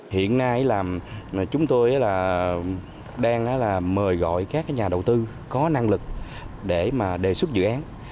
hiện nay chúng tôi đang mời gọi các nhà đầu tư có năng lực để đề xuất dự án